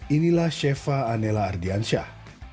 inilah shefa anela ardiansyah